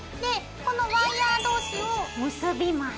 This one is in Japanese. このワイヤー同士を結びます。